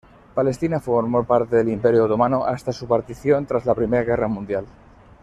Palestina formó parte del Imperio Otomano hasta su partición tras la I Guerra Mundial.